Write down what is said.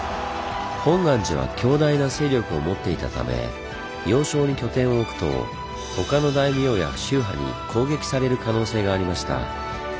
本願寺は強大な勢力を持っていたため要衝に拠点を置くとほかの大名や宗派に攻撃される可能性がありました。